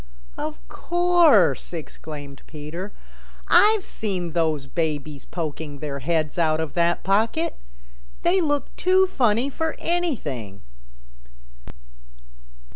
"Of course," exclaimed Peter. "I've seen those babies poking their heads out of that pocket. They look too funny for anything."